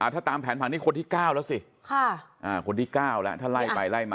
ถ้าตามแผนผังนี่คนที่๙แล้วสิคนที่๙แล้วถ้าไล่ไปไล่มา